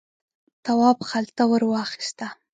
تواب خلته ور واخیسته.